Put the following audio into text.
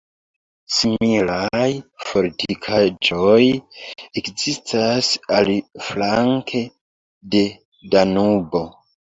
Similaj fortikaĵoj ekzistas aliflanke de Danubo.